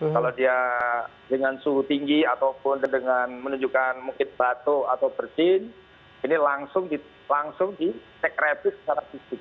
kalau dia dengan suhu tinggi ataupun dengan menunjukkan mungkin batuk atau bersin ini langsung dicek rapid secara fisik